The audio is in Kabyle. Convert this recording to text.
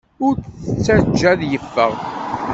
Ur t-ttajja ad yeffeɣ.